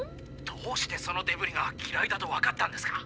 「どうしてそのデブリが機雷だとわかったんですか？」。